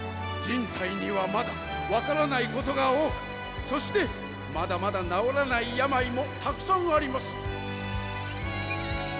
人体にはまだ分からないことが多くそしてまだまだ治らない病もたくさんあります。